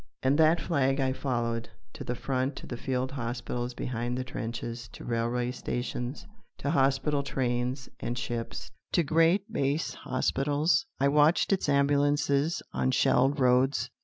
And that flag I followed. To the front, to the field hospitals behind the trenches, to railway stations, to hospital trains and ships, to great base hospitals. I watched its ambulances on shelled roads.